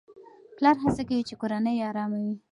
پلار هڅه کوي چې کورنۍ يې آرامه وي.